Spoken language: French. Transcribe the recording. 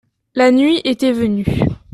La nuit était venue.